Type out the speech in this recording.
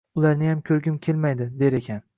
Ularniyam ko‘rgim kelmaydi, der ekan.